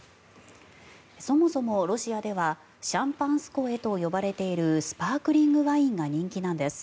そもそもロシアではシャンパンスコエと呼ばれているスパークリングワインが人気なんです。